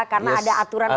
karena ada aturan organisasi